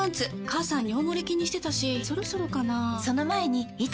母さん尿モレ気にしてたしそろそろかな菊池）